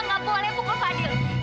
tidak boleh pukul fadil